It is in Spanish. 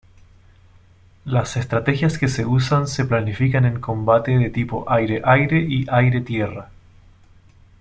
Las estrategias que se usan se planifican en combate de tipo aire-aire y aire-tierra.